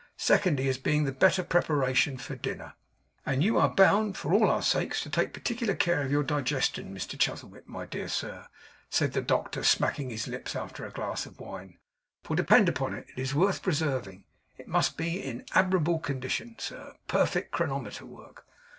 Secondly as being the better preparation for dinner. 'And you are bound for all our sakes to take particular care of your digestion, Mr Chuzzlewit, my dear sir,' said the doctor smacking his lips after a glass of wine; 'for depend upon it, it is worth preserving. It must be in admirable condition, sir; perfect chronometer work.